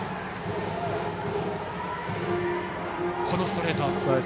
このストレート。